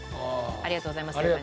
ありがとうございます。